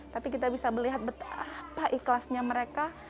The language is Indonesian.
tapi kita bisa melihat betapa ikhlasnya mereka